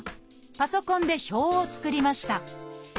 パソコンで表を作りました。